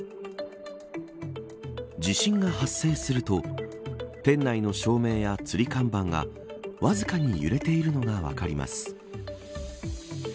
地震が発生すると店内の照明や吊り看板がわずかに揺れているのが分かります。